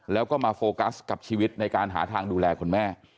แล้วก็มาโฟกัสกับชีวิตในการหาทางดูแลคุณแม่